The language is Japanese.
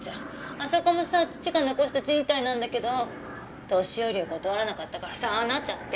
あそこもさ父が遺した賃貸なんだけど年寄りを断らなかったからああなっちゃって。